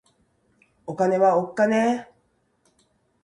お金はおっかねぇ